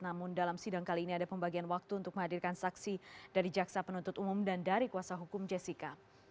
namun dalam sidang kali ini ada pembagian waktu untuk menghadirkan saksi dari jaksa penuntut umum dan dari kuasa hukum jessica